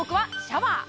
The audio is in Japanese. シャワー